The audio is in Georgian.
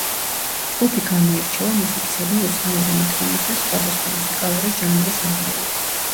ჯგუფი გამოირჩევა მუსიკისადმი უცნაური მიდგომით და სხვადასხვა მუსიკალური ჟანრის აღრევით.